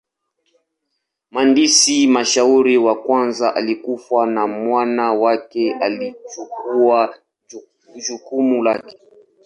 Mhandisi mshauri wa kwanza alikufa na mwana wake alichukua jukumu lake.